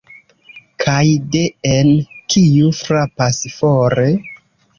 Kaj de-en: ""Kiu frapas fore?".